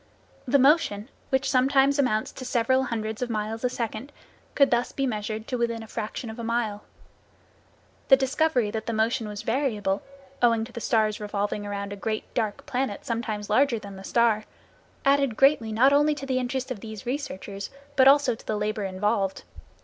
The motion, which sometimes amounts to several hundreds of miles a second could thus be measured to within a fraction of a mile. The discovery that the motion was variable, owing to the star's revolving around a great dark planet sometimes larger than the star, added greatly not only to the interest of these researches, but also to the labor involved.